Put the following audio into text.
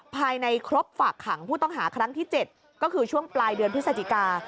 ภายในครบฝากขังผู้ต้องหาครั้งที่๗ก็คือช่วงปลายเดือนพฤศจิกา